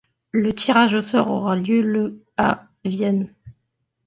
Le tirage au sort aura lieu le à Vienne.